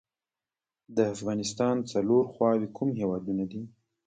د افغانستان څلور خواوې کوم هیوادونه دي؟